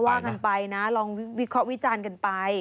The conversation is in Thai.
ก็ว่ากันไปนะลองวิจารณ์กันไป